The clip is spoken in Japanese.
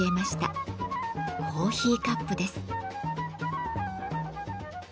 コーヒーカップです。